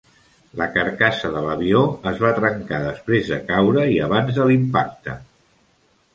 La carcassa de l'avió es va trencar després de caure i abans de l'impacte.